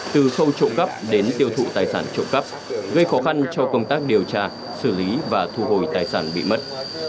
từ khâu trộm cắp đến tiêu thụ tài sản trộm cắp gây khó khăn cho công tác điều tra xử lý và thu hồi tài sản bị mất